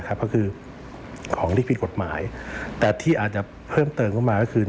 ก็คือของที่ผิดกฎหมายแต่ที่อาจจะเพิ่มเติมเข้ามาก็คือ